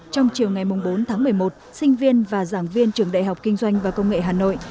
trong chiều ngày bốn tháng một mươi một sinh viên và giảng viên trường đại học kinh doanh và công nghệ hà nội